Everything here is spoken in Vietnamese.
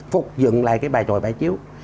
phục dựng lại cái bài tròi trái chiếu